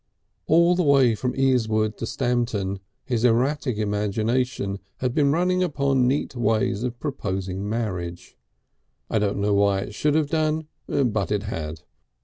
All the way from Easewood to Stamton his erratic imagination had been running upon neat ways of proposing marriage. I don't know why it should have done, but it had.